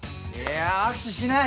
握手しない。